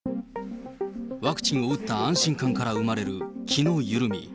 ワクチンを打った安心感から生まれる気の緩み。